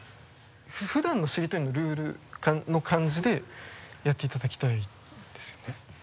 普段のしりとりのルールの感じでやっていただきたいんですよね。